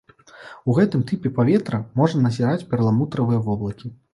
У гэтым тыпе паветра можна назіраць перламутравыя воблакі.